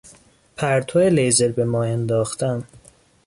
پرتو لیزر به ماه انداختن